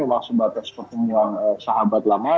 maksud batas pertemuan sahabat lama